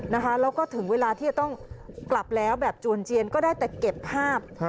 และพอเวลาต้องกลับแล้วแบบจวนเจียนก็ได้แต่เก็บภาพ